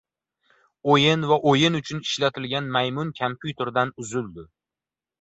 O'yin va o'yin uchun ishlatilgan maymun kompyuterdan uzildi.